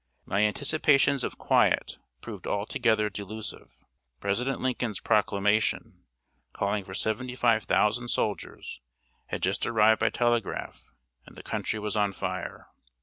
My anticipations of quiet proved altogether delusive. President Lincoln's Proclamation, calling for seventy five thousand soldiers, had just arrived by telegraph, and the country was on fire.